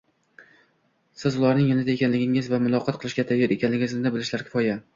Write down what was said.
siz ularning yonida ekanligingiz va muloqot qilishga tayyor ekanligingizni bilishlari kifoya.